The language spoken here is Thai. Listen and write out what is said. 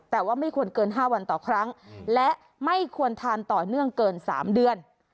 แต่ว่าไม่ควรเกิน๕วันต่อครั้งและไม่ควรทานต่อเนื่องเกิน๓เดือน